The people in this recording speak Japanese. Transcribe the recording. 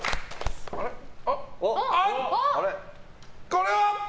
これは！